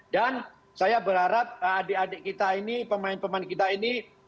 dan saya berharap adik adik kita ini pemain pemain kita ini